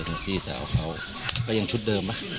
เดินกับพี่สาวเขาแต่ยังชุดเดิมมั้ย